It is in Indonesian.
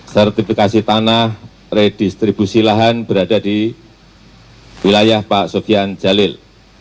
sertifikasi tanah redistribusi lahan berada di wilayah pak sofian jalil